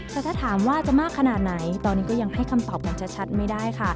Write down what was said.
แต่ถ้าถามว่าจะมากขนาดไหนตอนนี้ก็ยังให้คำตอบกันชัดไม่ได้ค่ะ